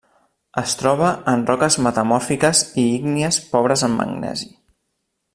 Es troba en roques metamòrfiques i ígnies pobres en magnesi.